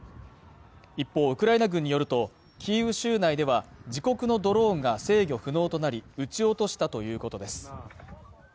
一方ウクライナ軍によるとキーウ州内では、自国のドローンが制御不能となり、撃ち落としたということです。